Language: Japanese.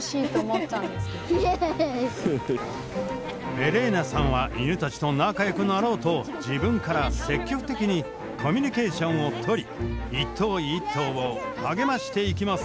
エレーナさんは犬たちと仲よくなろうと自分から積極的にコミュニケーションを取り一頭一頭を励ましていきます。